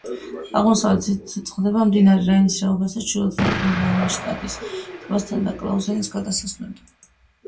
აღმოსავლეთით წყდება მდინარე რაინის ხეობასთან, ჩრდილოეთით ვალენშტადტის ტბასთან და კლაუზენის გადასასვლელთან.